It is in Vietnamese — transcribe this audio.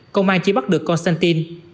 công an chỉ bắt được konstantin